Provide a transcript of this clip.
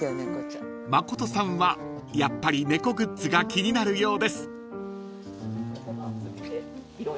［真琴さんはやっぱり猫グッズが気になるようです］